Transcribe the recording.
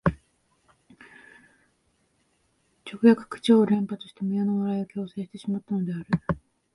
直訳口調を連発して無用の笑いを強制してしまったのである